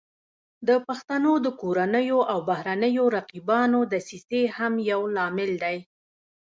د پښتنو د کورنیو او بهرنیو رقیبانو دسیسې هم یو لامل دی